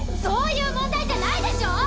そういう問題じゃないでしょ！